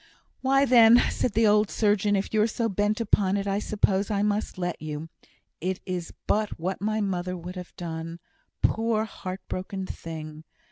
"Why, then," said the old surgeon, "if you're so bent upon it, I suppose I must let you. It is but what my mother would have done poor, heart broken thing!